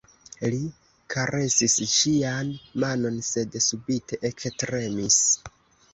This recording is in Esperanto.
Li karesis ŝian manon, sed subite ektremis.